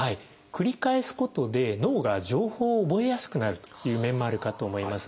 繰り返すことで脳が情報を覚えやすくなるという面もあるかと思います。